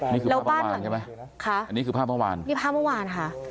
นี่คือผ้าเมื่อวานใช่ไหมอันนี้คือผ้าเมื่อวานค่ะนี่ผ้าเมื่อวานค่ะ